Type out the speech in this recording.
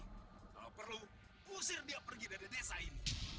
kalau perlu kusir dia pergi dari desa ini